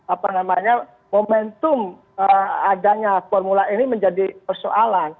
apa namanya momentum adanya formula e ini menjadi persoalan